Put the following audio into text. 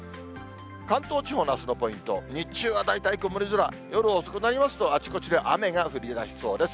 関東地方のあすのポイント、日中は大体曇り空、夜遅くになりますと、あちこちで雨が降りだしそうです。